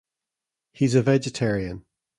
He's a vegetarian.